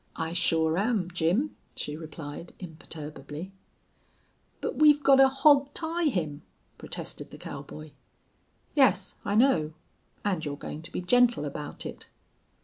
"I sure am, Jim," she replied, imperturbably. "But we've gotta hawg tie him," protested the cowboy. "Yes, I know. And you're going to be gentle about it."